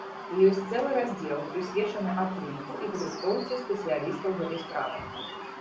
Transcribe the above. І ёсць цэлы раздзел, прысвечаны арт-рынку і падрыхтоўцы спецыялістаў гэтай справы.